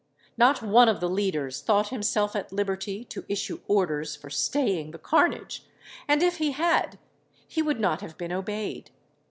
Not one of the leaders thought himself at liberty to issue orders for staying the carnage, and if he had, he would not have been obeyed.